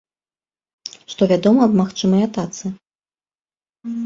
Што вядома аб магчымай атацы?